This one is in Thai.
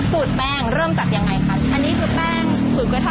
สูตรแป้งเริ่มจากยังไงคะ